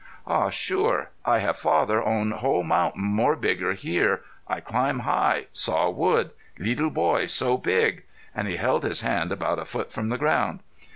"Aw sure. I have father own whole mountain more bigger here. I climb high saw wood. Leetle boy so big." And he held his hand about a foot from the ground.